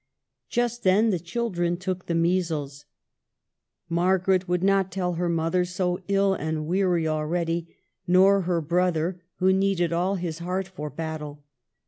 Just then the children took the measles. Mar garet would not tell her mother, so ill and weary already, nor her brother, who needed all his heart for battle.